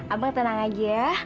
abang tenang aja ya